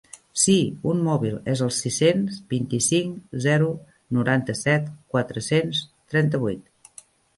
Sí, un mòbil, és el sis-cents vint-i-cinc zero noranta-set quatre-cents trenta-vuit.